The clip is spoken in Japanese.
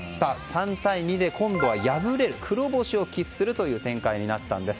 ３対２で今度は敗れ黒星を喫する展開になったんです。